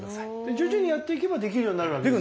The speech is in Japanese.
徐々にやっていけばできるようになるわけでしょう？